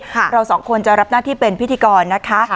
เราสองคนจะรับหน้าที่เป็นพิธีกรนะคะ